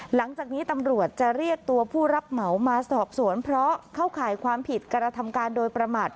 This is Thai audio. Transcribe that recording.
หลังจากนี้ตำรวจจะเรียกตัวผู้รับเหมามาสอบสวนเพราะเข้าข่ายความผิดกระทำการโดยประมาท